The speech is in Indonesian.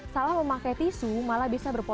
salah memakai tisu malah bisa berpotensi